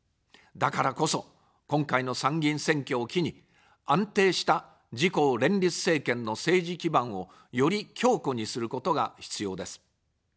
だからこそ、今回の参議院選挙を機に、安定した自公連立政権の政治基盤をより強固にすることが必要です。